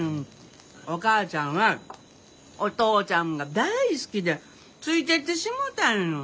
お母ちゃんはお父ちゃんが大好きでついていってしもうたんよ。